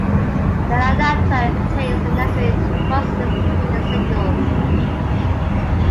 The adapter contains the necessary crosslinks between the signals.